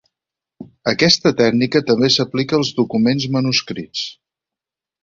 Aquesta tècnica també s'aplica als documents manuscrits.